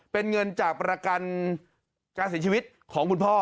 เป็นเงินจากประกันการเสียชีวิตของคุณพ่อ